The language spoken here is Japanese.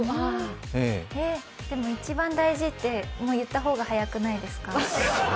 へえ、でも一番大事って言った方が早くないですか？